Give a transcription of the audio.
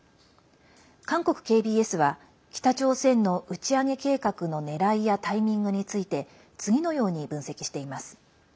韓国ＫＢＳは北朝鮮の打ち上げ計画のねらいやタイミングについて次のように分析しています。